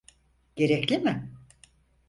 Gerekli mi?